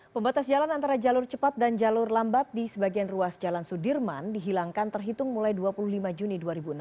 pembatas jalan antara jalur cepat dan jalur lambat di sebagian ruas jalan sudirman dihilangkan terhitung mulai dua puluh lima juni dua ribu enam belas